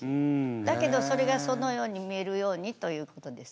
だけどそれがそのように見えるようにということです。